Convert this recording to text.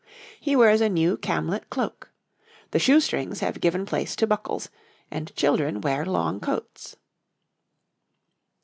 He wears a new camlett cloak. The shoe strings have given place to buckles, and children wear long coats.